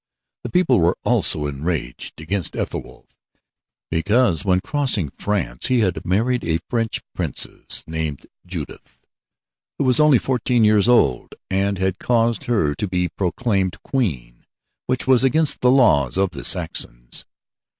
The people were also enraged against Ethelwulf, because, when crossing France, he had married a French Princess named Judith, who was only fourteen years old; and had caused her to be proclaimed Queen, which was against the laws of the Saxons.